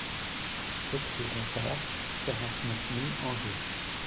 sept rUE RONSARD, quarante-neuf mille Angers